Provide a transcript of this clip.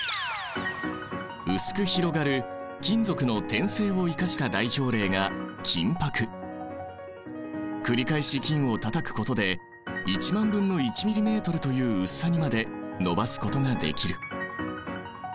薄く広がる金属の展性を生かした代表例が繰り返し金をたたくことで１万分の１ｍｍという薄さにまで延ばすことができる。